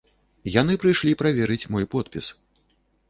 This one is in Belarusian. Яны прыйшлі праверыць мой подпіс.